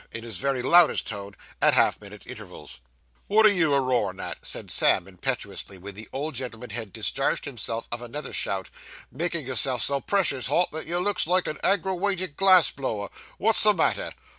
in his very loudest tone, at half minute intervals. 'Wot are you a roarin' at?' said Sam impetuously, when the old gentleman had discharged himself of another shout; 'making yourself so precious hot that you looks like a aggrawated glass blower. Wot's the matter?